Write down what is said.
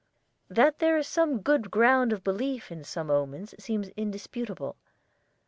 That there is some good ground for belief in some omens seems indisputable.